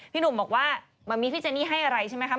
พี่หนุ่มบอกว่ามันมีพี่เจนี่ให้อะไรใช่ไหมครับ